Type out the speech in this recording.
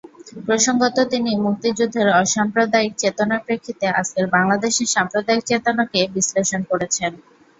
প্রসঙ্গত তিনি মুক্তিযুদ্ধের অসাম্প্রদায়িক চেতনার প্রেক্ষিতে আজকের বাংলাদেশের সাম্প্রদায়িক চেতনাকে বিশ্লেষণ করেছেন।